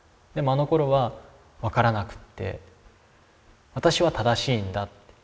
でもあのころは分からなくて私は正しいんだ